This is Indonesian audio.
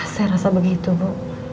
saya rasa begitu bu